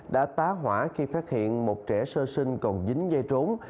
đã tá hỏa khi phát hiện một trẻ sơ sinh còn dính dây trốn